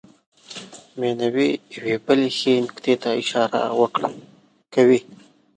مینوي یوې بلې ښې نکتې ته اشاره کوي.